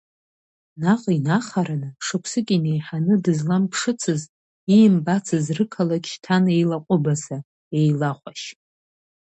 Наҟ инахараны, шықәсык инеиҳаны дызламԥшыцыз, иимбацыз рықалақь шьҭан еилаҟәыбаса, еилахәашь…